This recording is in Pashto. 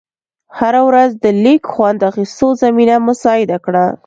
هره ورځ د لیږ خوند اخېستو زمینه مساعده کړه.